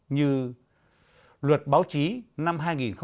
như luật báo chí năm hai nghìn một mươi